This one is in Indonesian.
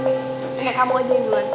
nih kamu aja yang duluan